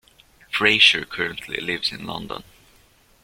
Fraser currently lives in London.